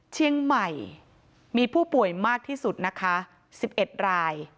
เชียงใหม่มีผู้ป่วยมากที่สุดนะคะ๑๑ราย